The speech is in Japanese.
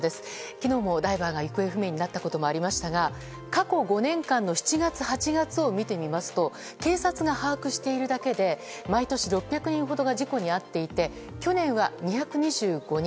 昨日もダイバーが行方不明になったこともありましたが過去５年間の７月８月を見てみますと警察が把握しているだけで毎年６００人ほどが事故に遭っていて去年は２２５人。